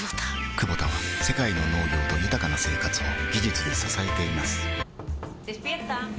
クボタは世界の農業と豊かな生活を技術で支えています起きて。